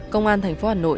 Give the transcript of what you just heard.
công an thành phố hà nội